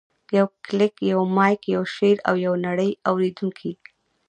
یو کلیک، یو مایک، یو شعر، او یوه نړۍ اورېدونکي.